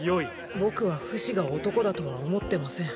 僕はフシが男だとは思ってません。